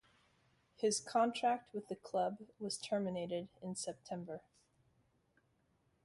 His contract with the club was terminated in September.